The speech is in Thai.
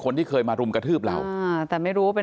คนนึงเคยลุมกระทืบเราอ่า